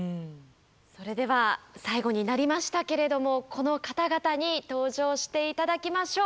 それでは最後になりましたけれどもこの方々に登場して頂きましょう。